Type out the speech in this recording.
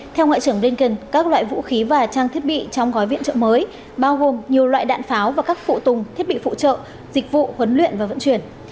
theo ngoại trưởng blinken các loại vũ khí và trang thiết bị trong gói viện trợ mới bao gồm nhiều loại đạn pháo và các phụ tùng thiết bị phụ trợ dịch vụ huấn luyện và vận chuyển